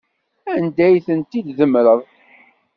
Anda ay tent-tdemmreḍ?